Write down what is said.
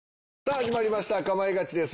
始まりました『かまいガチ』です。